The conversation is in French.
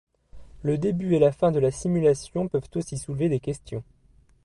Le début et la fin de la simulation peuvent aussi soulever des questions.